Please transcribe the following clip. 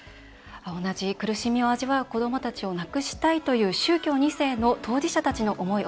同じ苦しみを味わう子どもたちをなくしたいという宗教２世の当事者たちの思い